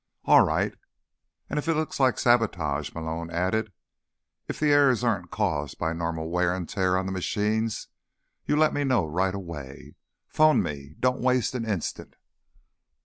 "All right." "And if it looks like sabotage," Malone added, "if the errors aren't caused by normal wear and tear on the machines, you let me know right away. Phone me. Don't waste an instant."